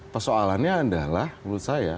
pesoalannya adalah menurut saya